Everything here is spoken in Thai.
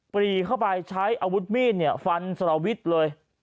ปรีเข้าไปใช้อาวุธมีดฟันสรวิทย์เลย